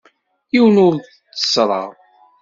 Yiwen ur t-tteṣṣreɣ.